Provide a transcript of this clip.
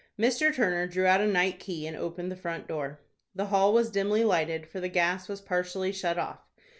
Mr. Turner drew out a night key, and opened the front door. The hall was dimly lighted, for the gas was partially shut off.